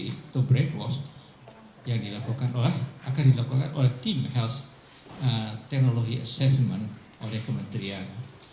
atau brainwash yang akan dilakukan oleh tim health technology assessment oleh kementerian